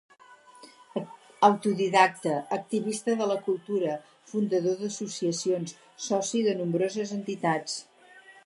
Autodidacta, activista de la cultura, fundador d'associacions, soci de nombroses entitats.